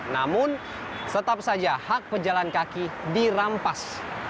namun tetap saja hak pejalan kaki dirampas